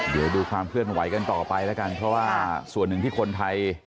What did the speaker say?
เดี๋ยวดูความเคลื่อนไหวกันต่อไปแล้วกันเพราะว่าส่วนหนึ่งที่คนไทย